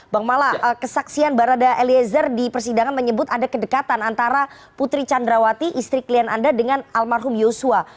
bang mala kesaksian barada eliezer di persidangan menyebut ada kedekatan antara putri candrawati istri klien anda dengan almarhum yosua